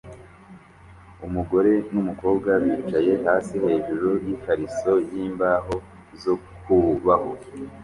Umugore numukobwa bicaye hasi hejuru yikariso yimbaho zo kuboha